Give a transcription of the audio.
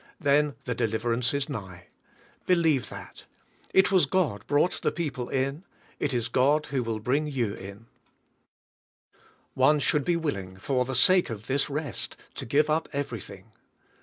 — then the deliverance is nigh; believe that. It was God brought the people in. It is God who will bring you in. ENTRANCE INTO REST 55 One should be willing, for the sake of this rest, to give up everything.